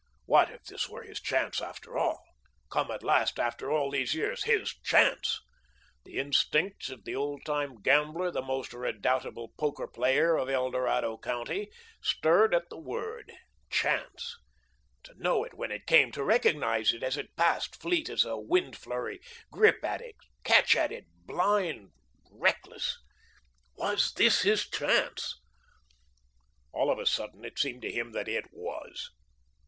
What if this were his chance, after all, come at last after all these years. His chance! The instincts of the old time gambler, the most redoubtable poker player of El Dorado County, stirred at the word. Chance! To know it when it came, to recognise it as it passed fleet as a wind flurry, grip at it, catch at it, blind, reckless, staking all upon the hazard of the issue, that was genius. Was this his Chance? All of a sudden, it seemed to him that it was.